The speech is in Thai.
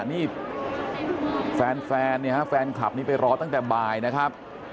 นี่แฟนเนี่ยฮะแฟนคลับนี้ไปรอตั้งแต่บ่ายนะครับ